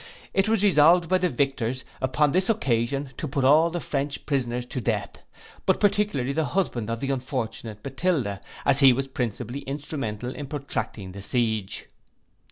It was resolved by the victors, upon this occasion, to put all the French prisoners to death; but particularly the husband of the unfortunate Matilda, as he was principally instrumental in protracting the siege.